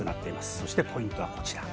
そしてポイントはこちら。